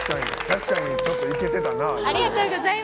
確かにちょっといけてたな。